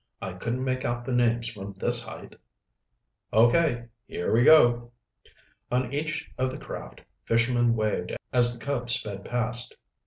I couldn't make out the names from this height." "Okay. Here we go." On each of the craft, fishermen waved as the Cub sped past.